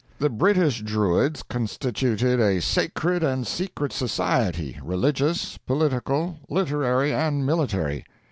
The British Druids constituted a sacred and secret society, religious, political, literary, and military.